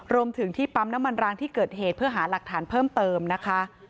รวมถึงที่ปั๊มน้ำมันร้างที่เกิดเหตุเพื่อหาหลักฐานเพิ่มเติมนะคะ